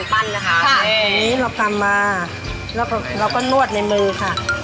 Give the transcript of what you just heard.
ตอนนี้เรากลับมาแล้วก็นวดในมือค่ะ